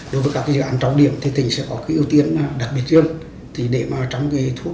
đối với các dự án trắng điểm thì tỉnh sẽ có cái ưu tiên đặc biệt riêng thì để mà trắng điểm